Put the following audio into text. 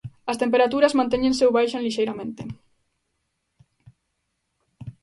As temperaturas mantéñense ou baixan lixeiramente.